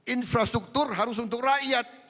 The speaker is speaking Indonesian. infrastruktur harus untuk rakyat